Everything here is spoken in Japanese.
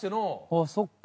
あっそっか。